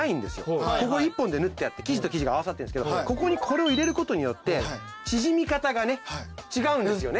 ここ１本で縫ってあって生地と生地が合わさってんですけどここにこれを入れることによって縮み方がね違うんですよね。